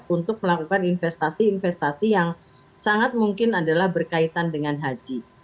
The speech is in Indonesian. untuk melakukan investasi investasi yang sangat mungkin adalah berkaitan dengan haji